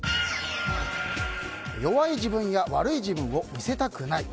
弱い自分や悪い自分を見せたくない。